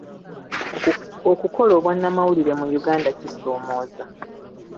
Okukola obwannamawulire mu Uganda kisoomooza.